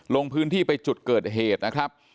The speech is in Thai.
ลงพื้นที่ไปจุดเกิดเหตุนะครับ